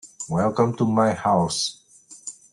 Welcome to my house.